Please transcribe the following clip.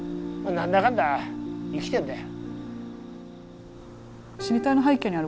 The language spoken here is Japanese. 何だかんだ生きてんだよ。